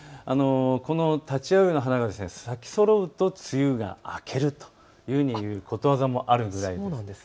このタチアオイの花が咲きそろうと梅雨が明けるということわざもあるぐらいなんです。